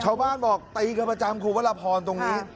ชาวบ้านบอกตีกันประจำคุณวรพรตรงนี้